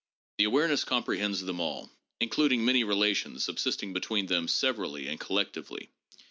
The awareness comprehends them all, including many relations sub sisting between them severally and collectively.